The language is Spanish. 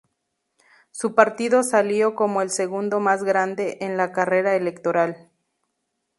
Su partido salió como el segundo más grande en la carrera electoral.